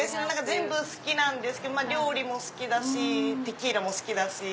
全部好きです料理も好きだしテキーラも好きだし。